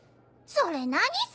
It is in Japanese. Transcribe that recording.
それ何さ？